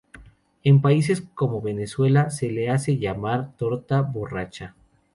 En países como Venezuela se le hace llamar torta borracha.